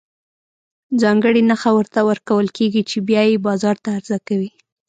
ځانګړې نښه ورته ورکول کېږي چې بیا یې بازار ته عرضه کوي.